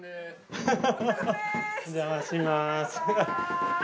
お邪魔します。